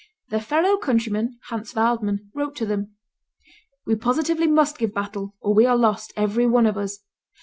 Their fellow countryman, Hans Waldmann, wrote to them, "We positively must give battle or we are lost, every one of us.